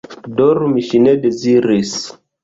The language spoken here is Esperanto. Dormi ŝi ne deziris.